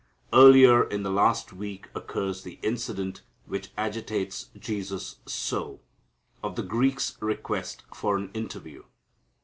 Earlier in the last week occurs the incident which agitates Jesus so, of the Greeks' request for an interview.